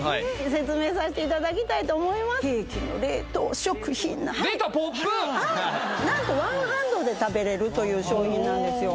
説明させていただきたいと思います何とワンハンドで食べれるという商品なんですよ